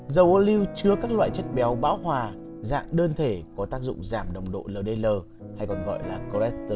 dầu ô lưu chứa các loại chất béo bão hòa dạng đơn thể có tác dụng giảm đồng độ ldl hay còn gọi là cholesterol